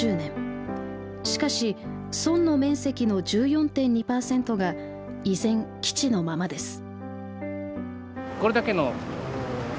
しかし村の面積の１４．２％が依然基地のままです。